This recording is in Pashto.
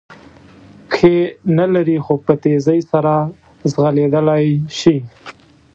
پښې نه لري خو په تېزۍ سره ځغلېدلای شي.